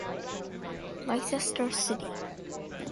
Leicester City